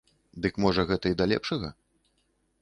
Дык можа гэта і да лепшага?